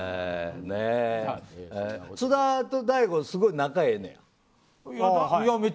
津田と大悟すごい仲ええねんや。